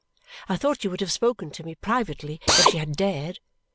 I thought she would have spoken to me privately if she had dared.